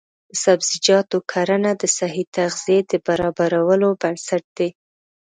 د سبزیجاتو کرنه د صحي تغذیې د برابرولو بنسټ دی.